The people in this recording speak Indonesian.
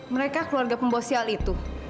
mereka keluarga pembosial itu